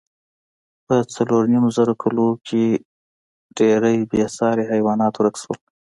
په څلورو نیم زره کلو کې ډېری بېساري حیوانات ورک شول.